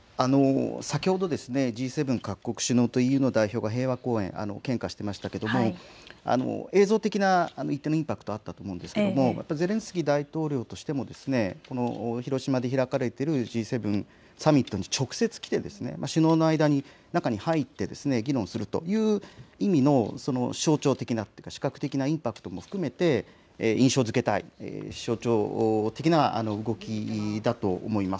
先ほどＧ７各国首脳とＥＵの代表は平和公園献花していましたけれども映像的なインパクトはあったと思うんですけれどゼレンスキー大統領としても広島で開かれているＧ７サミットに直接来て首脳の中に入って議論をするという意義の象徴的、視覚的インパクトも含めて印象づけたい、象徴的な動きだと思います。